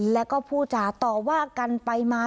แล้วก็ผู้จาต่อว่ากันไปมา